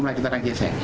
như chúng ta đang chia sẻ